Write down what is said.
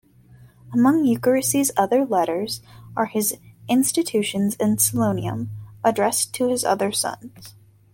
Among Eucherius' other letters are his "Institutiones ad Salonium" addressed to his other son.